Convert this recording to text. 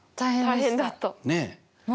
大変だった。